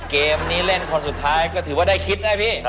เกมนี้เล่นคนสุดท้ายก็ถือว่าได้คิดนะพี่